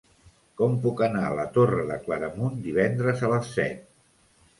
Com puc anar a la Torre de Claramunt divendres a les set?